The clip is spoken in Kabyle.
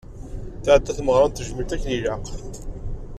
Tεedda tmeɣra n tejmilt akken ilaq.